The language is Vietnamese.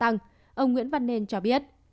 ông nguyễn văn nên cho biết